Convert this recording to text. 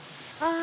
あ。